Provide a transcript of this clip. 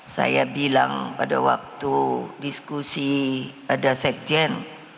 saya bilang pada waktu diskusi pada sekjen